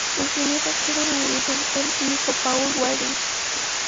El primer rector de la universidad fue el químico Paul Walden.